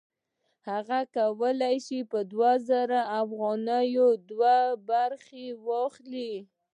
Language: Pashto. هغه کولی شي په دوه زره افغانیو دوه برخې واخلي